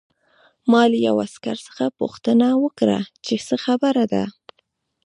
ما له یوه عسکر څخه پوښتنه وکړه چې څه خبره ده